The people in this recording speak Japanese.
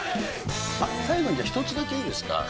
最後に１つだけいいですか？